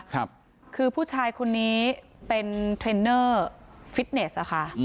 คือผู้ชายคนนี้เป็นเทรนเนอร์ฟิตเนสอ่ะค่ะ